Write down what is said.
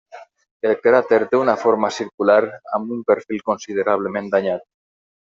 El cràter té una forma circular, amb un perfil considerablement danyat.